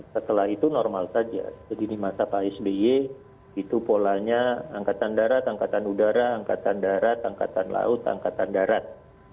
setelah itu normal saja jadi di masa pak sby itu polanya angkatan darat angkatan udara angkatan darat angkatan laut angkatan darat